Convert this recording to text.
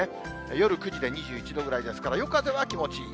夜９時で２１度ぐらいですから、夜風は気持ちいい。